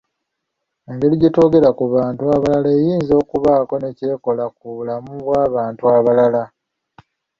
Engeri gye twogera ku bantu abalala eyinza okubaako ne ky’ekola ku bulamu bw’abantu abalala.